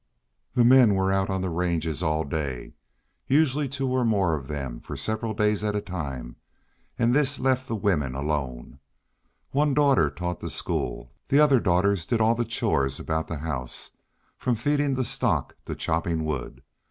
The men were out on the ranges all day, usually two or more of them for several days at a time, and this left the women alone. One daughter taught the school, the other daughters did all the chores about the house, from feeding the stock to chopping wood.